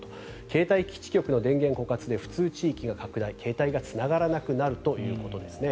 携帯基地局の電源枯渇で不通地域が拡大携帯がつながらなくなるということですね。